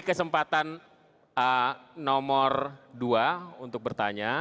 pertanyaan nomor dua untuk bertanya